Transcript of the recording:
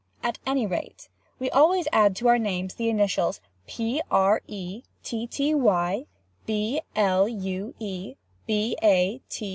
At any rate we always add to our names the initials P. R. E. T. T. Y. B. L. U. E. B. A.